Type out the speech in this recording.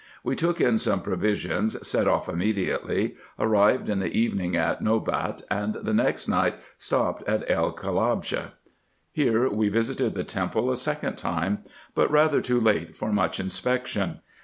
We took in some provision, set off immediately, arrived in the evening at Nobat, and the next night stopped at El Ka labshe. Here we visited the temple a second time, but rather too late for much inspection.